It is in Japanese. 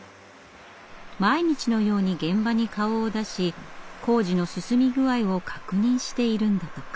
毎日のように現場に顔を出し工事の進み具合を確認しているんだとか。